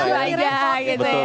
cuman pakai sana airnya kok gitu ya